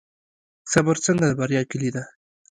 صبر څنګه د بریا کیلي ده؟